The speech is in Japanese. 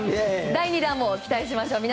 第２弾も期待しましょう。